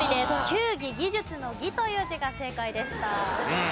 球技技術の「技」という字が正解でした。